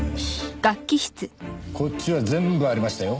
こっちは全部ありましたよ。